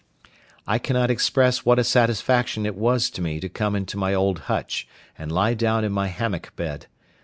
I cannot express what a satisfaction it was to me to come into my old hutch, and lie down in my hammock bed.